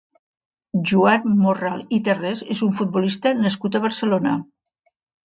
Joan Morral i Tarrés és un futbolista nascut a Barcelona.